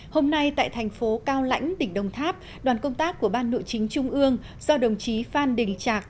hôm nay tại thành phố cao lãnh tỉnh đồng tháp đoàn công tác của ban nội chính trung ương do đồng chí phan đình trạc